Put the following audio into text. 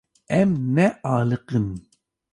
Em nealiqîn.